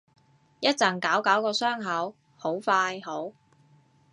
一陣搞搞個傷口，好快好